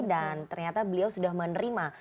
dan ternyata beliau sudah menerima